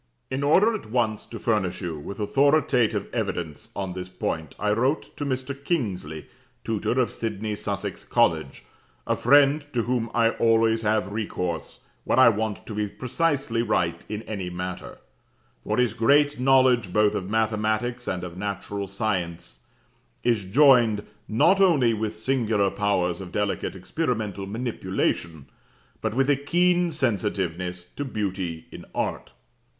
In order at once to furnish you with authoritative evidence on this point, I wrote to Mr. Kingsley, tutor of Sidney Sussex College, a friend to whom I always have recourse when I want to be precisely right in any matter; for his great knowledge both of mathematics and of natural science is joined, not only with singular powers of delicate experimental manipulation, but with a keen sensitiveness to beauty in art.